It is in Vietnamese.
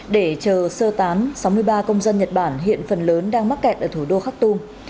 để chờ sơ tán sáu mươi ba công dân nhật bản hiện phần lớn đang mắc kẹt ở thủ đô khak tum